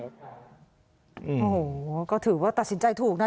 โอ้โหก็ถือว่าตัดสินใจถูกนะ